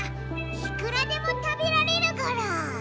いくらでも食べられるゴロ。